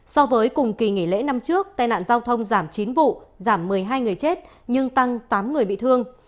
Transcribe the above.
so với cùng kỳ nghỉ lễ năm trước tai nạn giao thông giảm chín vụ giảm một mươi hai người chết nhưng tăng tám người bị thương